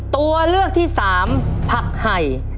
ตัวเลือกที่๓ผักไห่